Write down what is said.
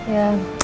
ya aku inget